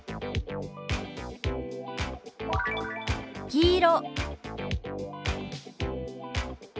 「黄色」。